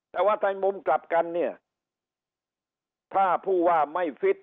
แต่ว่าในมุมกลับกันเนี่ยถ้าผู้ว่าไม่ฟิต